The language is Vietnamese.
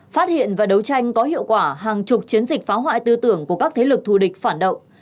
phát hiện và đấu tranh có hiệu quả hàng chục chiến dịch phá hoại tư tưởng của các thế lực thù địch phản động